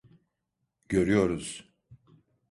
Görüyoruz.